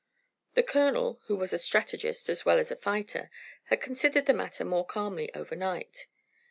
The colonel, who was a strategist as well as a fighter, had considered the matter more calmly overnight.